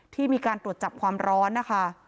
ที่มีการตรวจจับความร้อนนะคะ